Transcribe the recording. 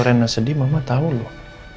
tapi kalau rena sedih mama tau loh